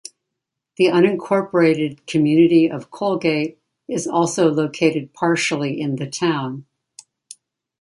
The unincorporated community of Colgate is also located partially in the town.